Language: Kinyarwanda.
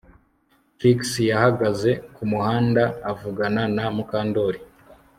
Trix yahagaze kumuhanda avugana na Mukandoli